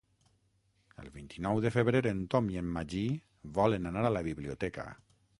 El vint-i-nou de febrer en Tom i en Magí volen anar a la biblioteca.